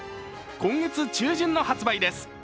今月中旬の発売です。